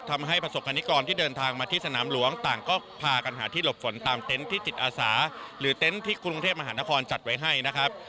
ทำให้ประสบคณิกรที่เดินทางมาที่สนามหลวงต่างก็พากันหาที่หลบฝนตามเต็นต์ที่จิตอาสาหรือเต็นต์ที่กรุงเทพมหานครจัดไว้ให้นะครับ